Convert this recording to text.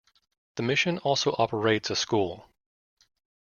The mission also operates a school.